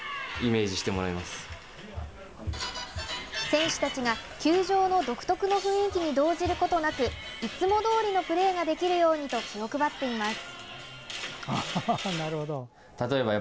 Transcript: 選手たちが球場の独特の雰囲気に動じることなくいつもどおりのプレーができるようにと気を配っています。